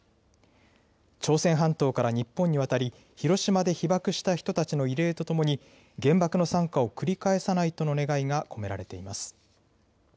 朝鮮半島から日本に渡り、広島で被爆した人たちの慰霊とともに、原爆の惨禍を繰り返さないとの願いが込められています。